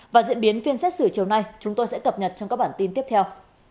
và diễn biến phiên xét xử chiều nay chúng tôi sẽ cập nhật trong các bản tin tiếp theo